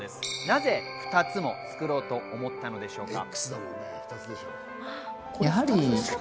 なぜ２つも作ろうと思ったのでしょうか？